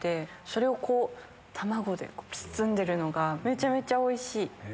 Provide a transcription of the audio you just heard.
それを卵で包んでるのがめちゃめちゃおいしい！